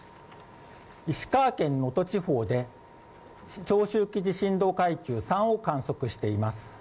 石川県能登地方で長周期地震動階級３を観測しています。